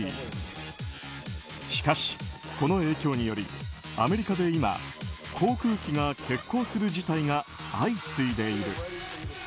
しかし、この影響によりアメリカで今航空機が欠航する事態が相次いでいる。